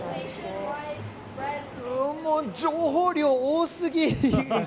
もう情報量多すぎ！